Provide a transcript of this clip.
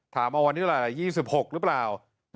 ถามวันที่ไหน๒๖หรือเปล่า